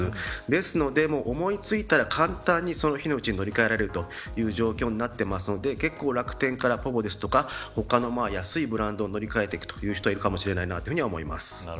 ですので、思いついたら簡単にその日のうちに乗り換えられる状況になっているので結構、楽天からｐｏｖｏとか他の安いブランドに乗り換えて行く人はいるかもしれないと思います。